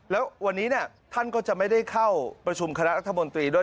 แล้ววันนี้ท่านก็จะไม่ได้เข้าประชุมคณะรัฐมนตรีด้วย